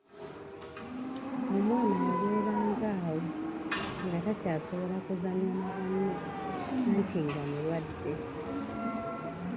Omwana yabeeranga awo nga takyasobola kuzannya na banne anti nga mulwadde.